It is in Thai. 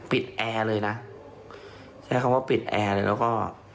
ปิดแอร์เลยนะแค่เขาว่าปิดแอร์เลยแล้วก็